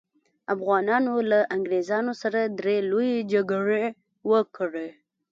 افغانانو له انګریزانو سره درې لويې جګړې وکړې.